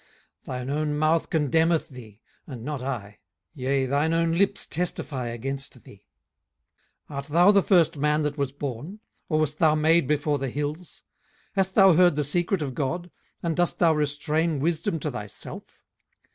18:015:006 Thine own mouth condemneth thee, and not I: yea, thine own lips testify against thee. 18:015:007 Art thou the first man that was born? or wast thou made before the hills? 18:015:008 Hast thou heard the secret of God? and dost thou restrain wisdom to thyself?